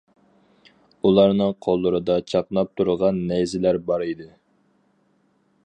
ئۇلارنىڭ قوللىرىدا چاقناپ تۇرغان نەيزىلەر بار ئىدى.